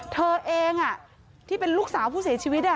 เธอเองที่เป็นลูกสาวผู้เสียชีวิต